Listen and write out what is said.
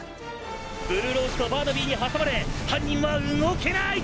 「ブルーローズとバーナビーに挟まれ犯人は動けない！！」